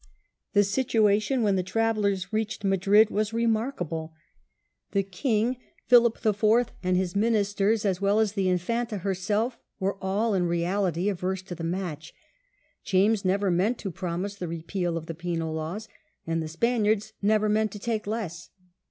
The situation when the travellers reached Madrid was remarkable. The king, Philip IV., and his ministers, as The visit to Well as the Infanta herself, were all in reality Madrid. 1623. averse to the match. James never meant to promise the repeal of the Penal laws, and the Spaniards never meant to take less.